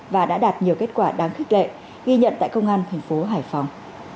và đã đạt nhiều kết quả đáng khích lệ ghi nhận tại công an tp hải phòng